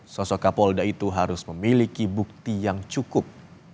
sosok kapolda itu harus memiliki bukti yang cukup